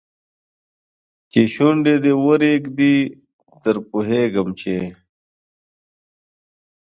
چې شونډي دې ورېږدي در پوهېږم چې